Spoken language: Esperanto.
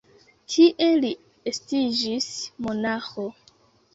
Tie li estiĝis monaĥo.